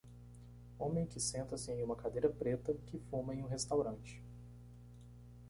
Homem que senta-se em uma cadeira preta que fuma em um restaurante.